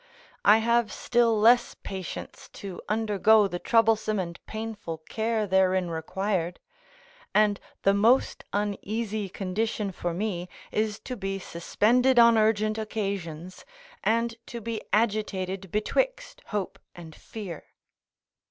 I have still less patience to undergo the troublesome and painful care therein required; and the most uneasy condition for me is to be suspended on urgent occasions, and to be agitated betwixt hope and fear.